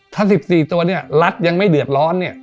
ถ้า๑๔ตัวเนี่ยรัฐยังไม่เดือดร้อนเนี่ย